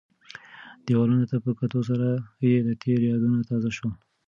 دیوالونو ته په کتو سره یې د تېر یادونه تازه شول.